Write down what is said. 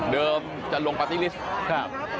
เดิมจะลงประติศาสตร์